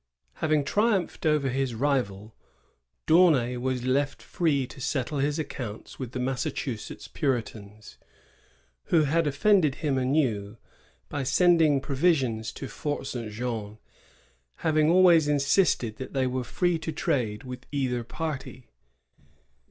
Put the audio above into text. Having triumphed over his rival, D'Aunay was left free to settle his accounts with the Massachusetts Puritans, who had offended him anew by sending provisio,;* to Fart St. Jean, having alwa^ insistei that they were free to trade with either party.